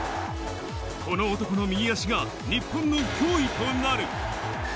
この男の右足が日本の脅威となる。